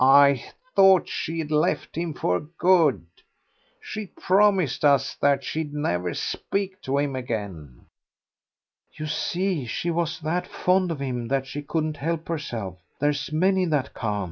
I thought she'd left him for good. She promised us that she'd never speak to him again." "You see, she was that fond of him that she couldn't help herself. There's many that can't."